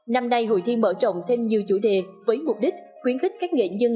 năm nay hội thi mở rộng thêm nhiều chủ đề với mục đích khuyến khích các nghệ nhân